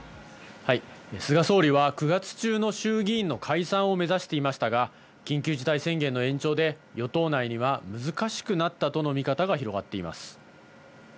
菅総理は９月中の衆議院の解散を目指していましたが、緊急事態宣言の延長で与党内には難しくなったとの見方が広がっています。